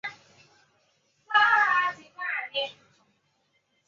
这种形式后来发展成为了赋格。